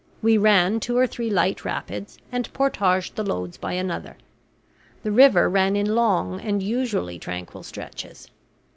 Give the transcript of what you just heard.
We ran two or three light rapids, and portaged the loads by another. The river ran in long and usually tranquil stretches.